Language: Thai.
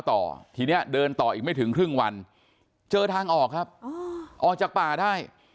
ต่อทีนี้เดินต่ออีกไม่ถึงครึ่งวันเจอทางออกครับออกจากป่าได้